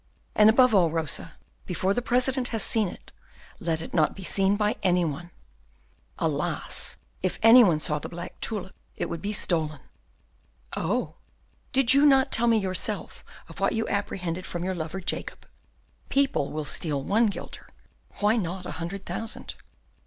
And above all, Rosa, before the President has seen it, let it not be seen by any one. Alas! if any one saw the black tulip, it would be stolen." "Oh!" "Did you not tell me yourself of what you apprehended from your lover Jacob? People will steal one guilder, why not a hundred thousand?"